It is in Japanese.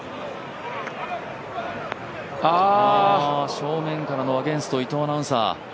正面からのアゲンスト、伊藤アナウンサー。